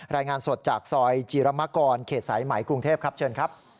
รายงานสดจากซอยจีรมกรเขตสายไหมกรุงเทพครับเชิญครับ